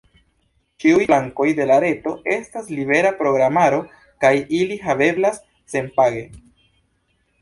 Ĉiuj flankoj de la reto estas libera programaro kaj ili haveblas senpage.